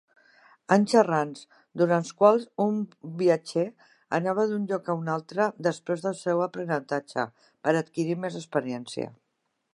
Anys errants, durant els quals un viatger anava d'un lloc a un altre després del seu aprenentatge, per adquirir més experiència.